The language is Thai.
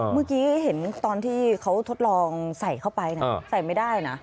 เมื่อกี้เห็นตอนที่เขาทดลองใส่เข้าไปใส่ไม่ได้นะ